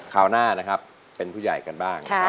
คราวหน้านะครับเป็นผู้ใหญ่กันบ้าง